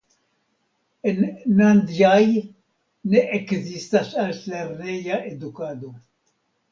En Nandjaj ne ekzistas altlerneja edukado.